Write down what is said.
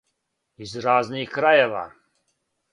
Из разних крајева.